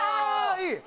いい。